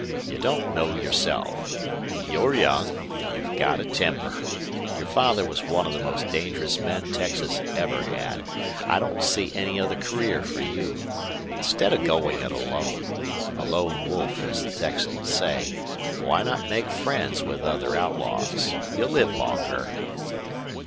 You don't know yourself. You're young; you've got a temper; your father was one of the most dangerous men Texas ever had. I don't see any other career for you. Instead of going it alone a lone wolf, as the Texans say why not make friends with other outlaws? You'll live longer."